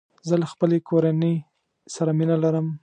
زه له خپلې کورني سره مینه لرم.